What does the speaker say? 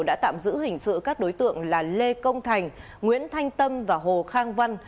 đã tạm giữ hình sự các đối tượng là lê công thành nguyễn thanh tâm và hồ khang văn